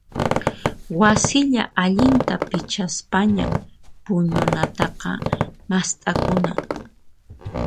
Wasilla allinta pichaspaña puñunataqa mast'aykuna.